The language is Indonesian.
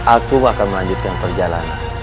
aku akan melanjutkan perjalanan